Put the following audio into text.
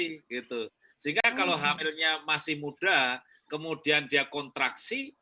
sehingga kalau hamilnya masih muda kemudian dia kontraksi